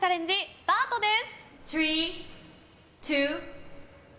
スタートです！